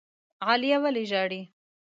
عالیه ولي ژاړي؟